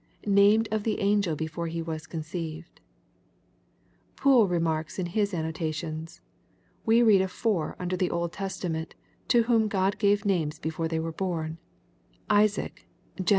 [Named of the angd before he was conceived^ Poole remarks, in his annotations, " We read of four under the Old Testament to whom God gave names before they were bom : l8aac, 0en.